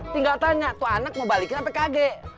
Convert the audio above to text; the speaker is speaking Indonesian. tinggal tanya tuh anak mau balikin apa kaget